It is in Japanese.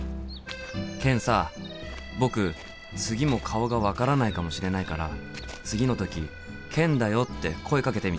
ケンさ僕次も顔が分からないかもしれないから次の時「ケンだよ」って声かけてみて。